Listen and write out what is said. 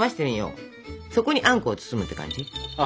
そこにあんこを包むって感じ。